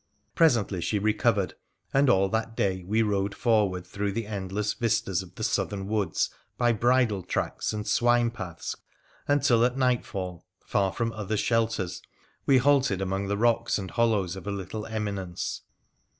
Presently she recovered, and all that day we rode forward through the endless vistas of the southern woods by bridle tracks and swine paths, until at nightfall, far from other shelters, we halted among the rocks and hollows of a little eminence.